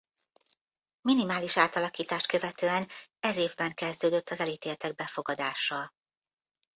Minimális átalakítást követően ez évben kezdődött az elítéltek befogadása.